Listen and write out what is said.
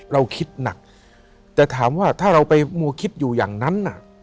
เราคิดหนักแต่ถามว่าถ้าเราไปมัวคิดอยู่อย่างนั้นน่ะ